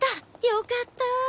よかった。